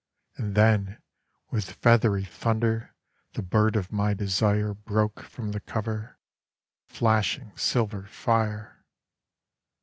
And then, with feathery thunder, the bird of my desireBroke from the coverFlashing silver fire.